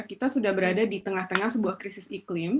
kita sudah berada di tengah tengah sebuah krisis iklim